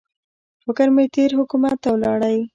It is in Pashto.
فکر مې تېر حکومت ته ولاړی.